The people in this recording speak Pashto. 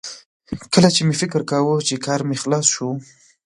کله چې مې فکر کاوه چې کار مې خلاص شو